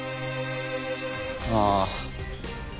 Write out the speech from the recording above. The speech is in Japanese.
ああ。